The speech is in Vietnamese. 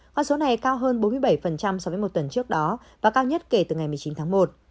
con số này cao hơn bốn mươi bảy so với một tuần trước đó và cao nhất kể từ ngày một mươi chín tháng một